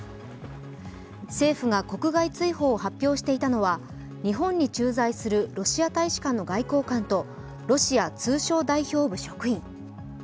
政府が国外追放を発表していたのは日本に駐在するロシア大使館の外交官とロシア通商代表部職員。